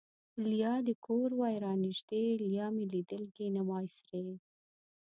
لیا دې کور وای را نژدې ـ لیا مې لیدلګې نه وای سرې